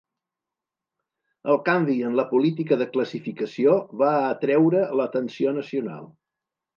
El canvi en la política de classificació va atreure l'atenció nacional.